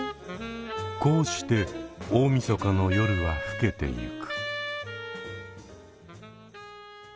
こうして大みそかの夜は更けていく。